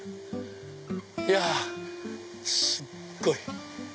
いやすっごい。